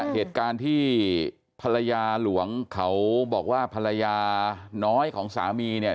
เหตุการณ์ที่ภรรยาหลวงเขาบอกว่าภรรยาน้อยของสามีเนี่ย